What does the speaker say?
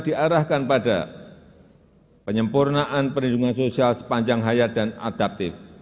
diarahkan pada penyempurnaan perlindungan sosial sepanjang hayat dan adaptif